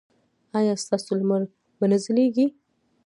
ایا ستاسو لمر به نه ځلیږي؟